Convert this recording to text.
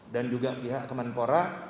dan juga pihak kementerian pora